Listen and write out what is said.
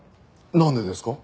なんでですか？